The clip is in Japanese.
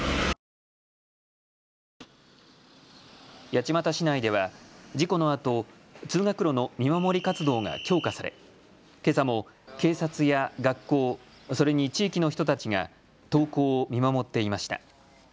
八街市内では事故のあと通学路の見守り活動が強化されけさも警察や学校、それに地域の人たちが登校を見守っていました。